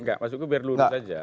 enggak maksudku biar lurus aja